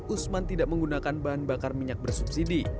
usman tidak menggunakan bahan bakar minyak bersubsidi